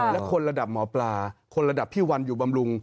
และคนระดับหมอปลาคนระดับพี่วันอยู่บำรุง